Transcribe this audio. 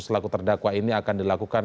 selaku terdakwa ini akan dilakukan